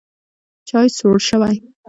چای سوړ شوی